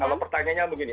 kalau pertanyaannya begini